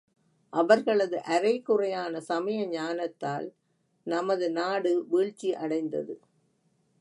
அவர்களது அரைகுறையான சமய ஞானத்தால் நமது நாடு வீழ்ச்சி அடைந்தது.